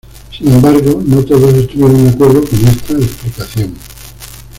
Sin embargo, no todos estuvieron de acuerdo con esta explicación.